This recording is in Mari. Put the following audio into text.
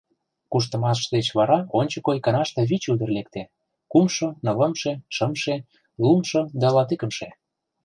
Куштымаш деч вара ончыко иканаште вич ӱдыр лекте: кумшо, нылымше, шымше, луымшо да латикымше.